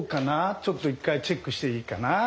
ちょっと一回チェックしていいかな？